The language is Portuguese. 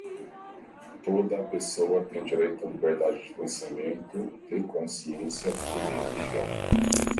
Toda a pessoa tem direito à liberdade de pensamento, de consciência e de religião;